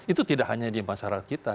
itu tidak hanya di masyarakat kita